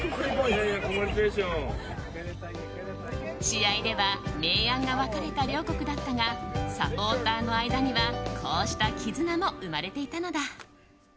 試合では明暗が分かれた両国だったがサポーターの間にはこうした絆も生まれていたのだ。